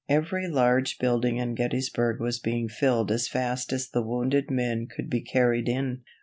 Every large building in Gettysburg was being filled as fast as the wounded men could be carried in.